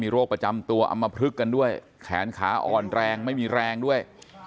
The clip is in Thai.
โรคประจำตัวอำมพลึกกันด้วยแขนขาอ่อนแรงไม่มีแรงด้วย